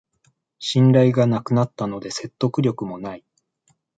信頼がなくなったので説得力もない